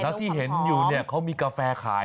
แล้วที่เห็นอยู่เนี่ยเขามีกาแฟขาย